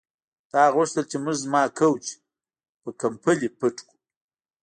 تا غوښتل چې موږ زما کوچ په کمپلې پټ کړو